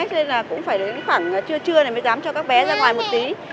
cho nên là cũng phải đến khoảng trưa trưa này mới dám cho các bé ra ngoài một tí